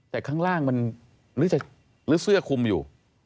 แต่ข้างล่างมันหรือเสื้อคุมอยู่